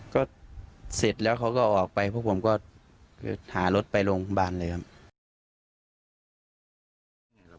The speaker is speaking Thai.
ก็เสร็จแล้วเขาก็ออกไปพวกผมก็หารถไปโรงพยาบาลเลยครับ